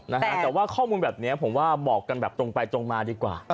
แต่ว่าข้อมูลแบบนี้ผมว่าบอกกันแบบตรงไปตรงมาดีกว่า